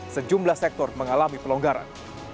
sejumlah sektor mengalami pelonggaran